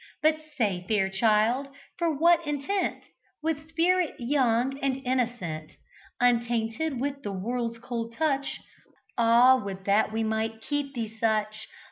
But say, fair child, for what intent, With spirit young and innocent, Untainted with the world's cold touch; (Ah! would that we might keep thee such!)